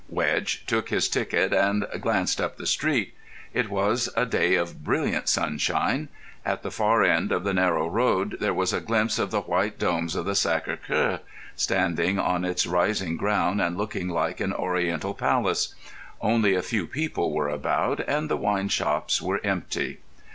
Wedge took his ticket and glanced up the street. It was a day of brilliant sunshine. At the far end of the narrow road there was a glimpse of the white domes of the Sacré Cœur, standing on its rising ground and looking like an Oriental palace. Only a few people were about, and the wine shops were empty.